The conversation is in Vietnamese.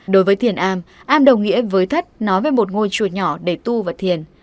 đối với thiền am am đồng nghĩa với thất nói về một ngôi chùa nhỏ để tu vật thiền